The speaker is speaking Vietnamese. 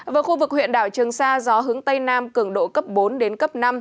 với khu vực huyện đảo trường sa gió hướng tây nam cường độ cấp bốn đến cấp năm